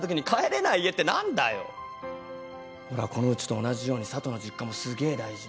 俺はこのうちと同じように佐都の実家もすげえ大事。